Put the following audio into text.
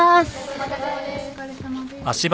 お疲れさまです。